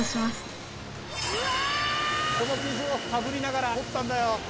この水をかぶりながら掘ったんだよ。